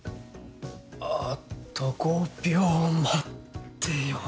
あと５秒待ってよ。